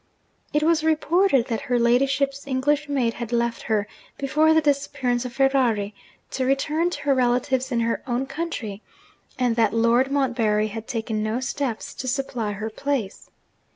It was reported that her ladyship's English maid had left her, before the disappearance of Ferrari, to return to her relatives in her own country, and that Lady Montbarry had taken no steps to supply her place.